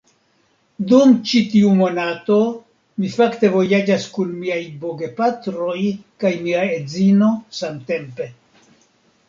Dum ĉi tiu monato, mi fakte vojaĝas kun miaj bogepatroj kaj mia edzino samtempe